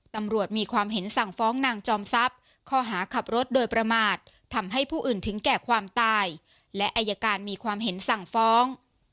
ตำรวจมีความเห็นสั่งฟ้องนางจอมทรัพย์ข้อหาขับรถโดยประมาททำให้ผู้อื่นถึงแก่ความตายและอายการมีความเห็นสั่งฟ้อง